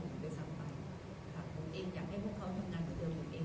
ผมเองอยากให้พวกเขาทำงานเหมือนเดิมผมเองก็อยากทำงานเหมือนเดิม